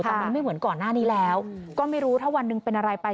แต่มันไม่เหมือนก่อนหน้านี้แล้วก็ไม่รู้ถ้าวันหนึ่งเป็นอะไรไป